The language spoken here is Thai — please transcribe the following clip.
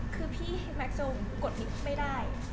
คือพี่แม็กซงกดลิกไม่ได้